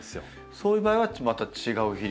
そういう場合はまた違う肥料？